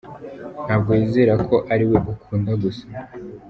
Ntabwo yizera ko ari we ukunda gusa.